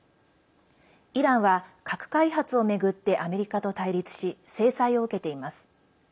イランは核開発を巡ってアメリカと対立し制裁を受けています。